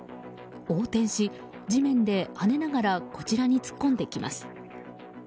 横転し地面で跳ねながらこちらに突っ込んできます。